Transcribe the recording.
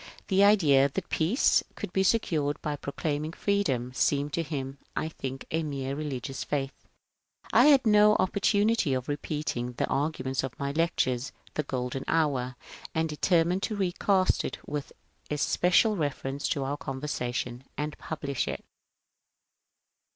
The idea that peace could be secured by proclaiming freedom seemed to him, I think, a mere religious faith. I had no opportunity of repeat^ ing the arguments of my lecture, " The Golden Hour," and determined to recast it with especial reference to our conver sation and publisli it.